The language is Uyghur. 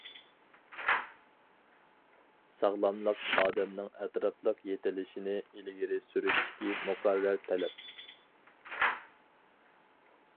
ساغلاملىق ئادەمنىڭ ئەتراپلىق يېتىلىشىنى ئىلگىرى سۈرۈشتىكى مۇقەررەر تەلەپ.